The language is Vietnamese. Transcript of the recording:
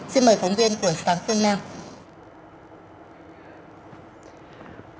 xin mời phóng viên của sáng phương nam